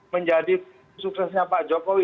menjadi suksesnya pak jokowi